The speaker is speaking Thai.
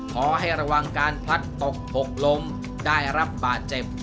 ขอให้ระวังการพลัดตกถกลมได้รับบาดเจ็บ